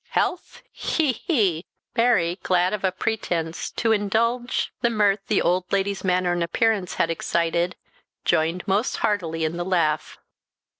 Health! he, he !" Mary, glad of a pretence to in indulge the mirth the old lady's manner and appearance had excited, joined most heartily in the laugh.